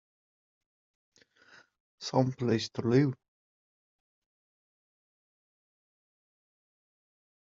Some place to live!